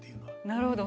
なるほど。